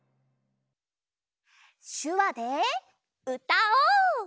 しゅわでうたおう！